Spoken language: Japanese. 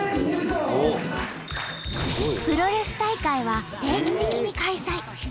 プロレス大会は定期的に開催。